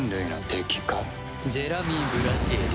ジェラミー・ブラシエリ。